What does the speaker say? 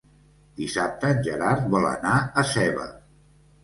Dissabte en Gerard vol anar a Seva.